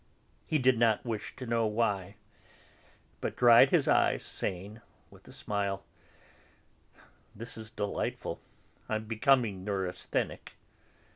He did not wish to know why, but dried his eyes, saying with a smile: "This is delightful; I'm becoming neurasthenic."